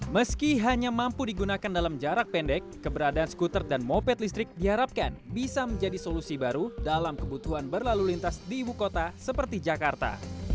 meski hanya mampu digunakan dalam jarak pendek keberadaan skuter dan moped listrik diharapkan bisa menjadi solusi baru dalam kebutuhan berlalu lintas di ibu kota seperti jakarta